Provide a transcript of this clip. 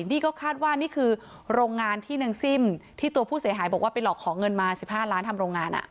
นี่ก็คาดว่านี่คือโรงงานที่นางซิ่มที่ตัวผู้เสียหายบอกว่าไปหลอกขอเงินมา๑๕ล้านทำโรงงาน